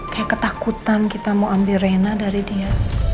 kayak ketakutan kita mau ambil rena dari dia